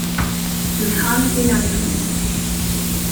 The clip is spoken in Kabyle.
Semmḥeɣ-am a tin ɛzizen fell-i.